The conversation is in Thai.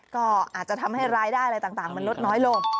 ก็อาจจะทำให้รายละเอ้ยมันลดน้อยลง